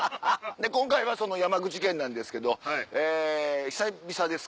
今回はその山口県なんですけどえ久々ですか。